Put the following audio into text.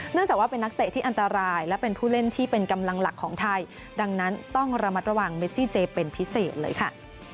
จากว่าเป็นนักเตะที่อันตรายและเป็นผู้เล่นที่เป็นกำลังหลักของไทยดังนั้นต้องระมัดระวังเมซี่เจเป็นพิเศษเลยค่ะ